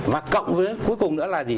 và cộng với cuối cùng nữa là gì